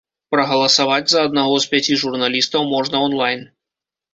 Прагаласаваць за аднаго з пяці журналістаў можна он-лайн.